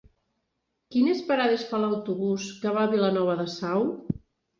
Quines parades fa l'autobús que va a Vilanova de Sau?